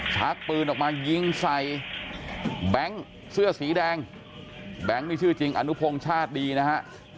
ชักปืนออกมายิงใส่แบงค์เสื้อสีแดงแบงค์นี่ชื่อจริงอนุพงศ์ชาติดีนะฮะ